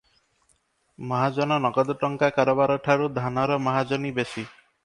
ମହାଜନ ନଗଦ ଟଙ୍କା କାରବାର ଠାରୁ ଧାନର ମହାଜନୀ ବେଶି ।